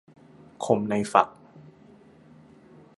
คมในฝัก